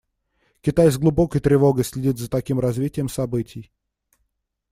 Китай с глубокой тревогой следит за таким развитием событий.